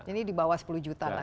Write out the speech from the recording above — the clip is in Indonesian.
ini di bawah sepuluh juta lah